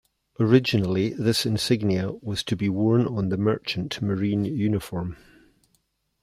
Originally, this insignia was to be worn on the merchant marine uniform.